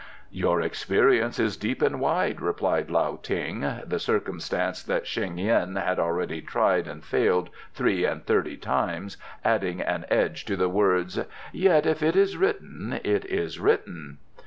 "Your experience is deep and wide," replied Lao Ting, the circumstance that Sheng yin had already tried and failed three and thirty times adding an edge to the words; "yet if it is written it is written."